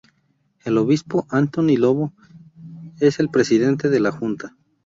El obispo Anthony Lobo es el presidente de la Junta.